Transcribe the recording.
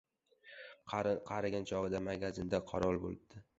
Qarigan chog‘ida magazinda qorovul bo‘ldi.